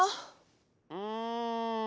うん。